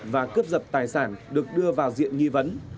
và cướp giật tài sản được đưa vào diện nghi vấn